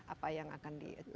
apa yang akan di